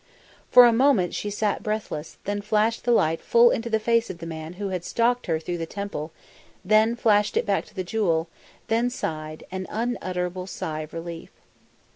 For a moment she sat breathless, then flashed the light full into the face of the man who had stalked her through the temple, then flashed it back to the jewel, then sighed an unutterable sigh of relief.